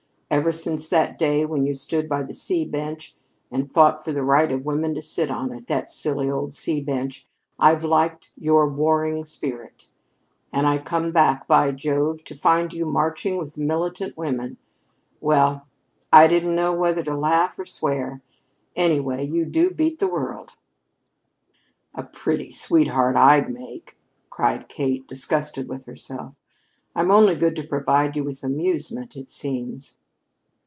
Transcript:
Ever since that day when you stood up by the C Bench and fought for the right of women to sit on it, that silly old C Bench, I've liked your warring spirit. And I come back, by Jove, to find you marching with the militant women! Well, I didn't know whether to laugh or swear! Anyway, you do beat the world." "A pretty sweetheart I'd make," cried Kate, disgusted with herself. "I'm only good to provide you with amusement, it seems."